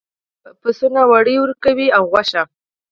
پسونه وړۍ ورکوي او غوښه.